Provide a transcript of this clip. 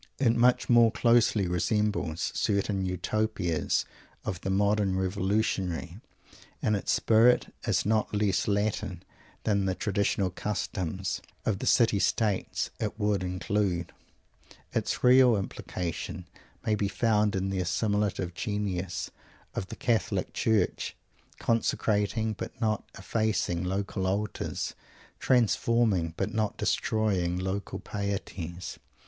It much more closely resembles certain Utopias of the modern Revolutionary. In its spirit it is not less Latin than the traditional customs of the City States it would include. Its real implication may be found in the assimilative genius of the Catholic Church, consecrating but not effacing local altars; transforming, but not destroying, local pieties.